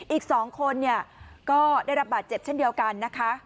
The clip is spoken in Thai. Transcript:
อีก๒คนเนี่ยก็ได้รับบาดเจ็บเช่นเดียวกันนะคะ